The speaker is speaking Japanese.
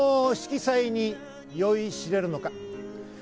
その色彩に酔いしれるのか。